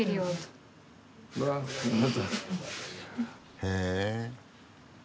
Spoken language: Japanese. へえ。